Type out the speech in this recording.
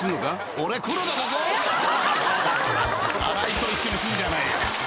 ［新井と一緒にすんじゃないよ］